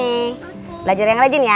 belajar yang rejin ya